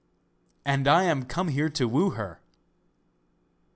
'And I am come here to woo her!